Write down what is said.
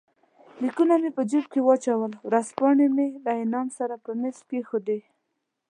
لیکونه مې په جېب کې واچول، ورځپاڼې مې له انعام سره پر مېز کښېښودې.